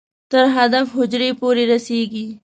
تر هدف حجرې پورې رسېږي.